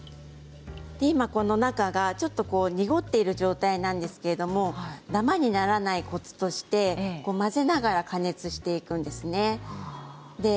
今この中がちょっと濁っている状態なんですけれどもダマにならないコツとして混ぜながら加熱していくんですね。